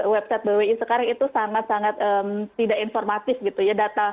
website bwi sekarang itu sangat sangat tidak informatif gitu ya